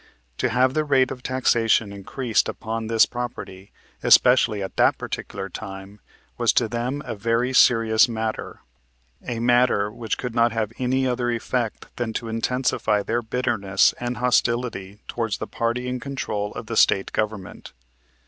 To have the rate of taxation increased upon this property, especially at that particular time, was to them a very serious matter, a matter which could not have any other effect than to intensify their bitterness and hostility towards the party in control of the State Government.